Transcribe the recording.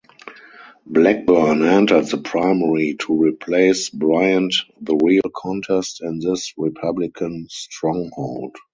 Blackburn entered the primary to replace Bryant-the real contest in this Republican stronghold.